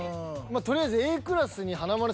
とりあえず。